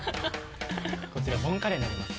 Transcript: こちら盆カレーになります。